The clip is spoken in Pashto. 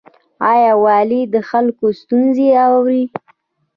آیا والي د خلکو ستونزې اوري؟